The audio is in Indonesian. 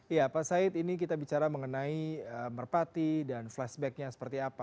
ya pak said ini kita bicara mengenai merpati dan flashbacknya seperti apa